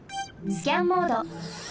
スキャンモード。